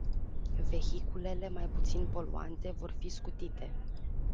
Vehiculele mai puțin poluante vor fi scutite.